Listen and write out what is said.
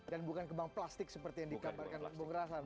dan bukan kembang plastik seperti yang dikabarkan bung rahlan